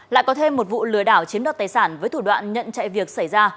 lại có thêm một vụ lừa đảo chiếm đoạt tài sản với thủ đoạn nhận chạy việc xảy ra